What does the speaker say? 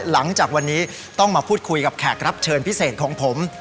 หลังจากวันนี้ต้องมาพูดคุยกับแขกรับเชิญพิเศษของผม